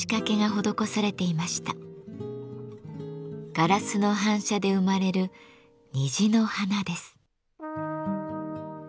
ガラスの反射で生まれる「虹の花」です。